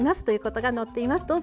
ということが載っています。